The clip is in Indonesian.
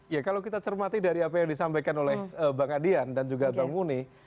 ya kalau kita cermati dari apa yang disampaikan oleh bang adian dan juga bang muni